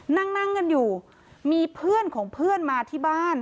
นั่งนั่งกันอยู่มีเพื่อนของเพื่อนมาที่บ้าน